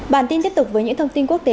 bản tin tiếp tục với những thông tin quốc tế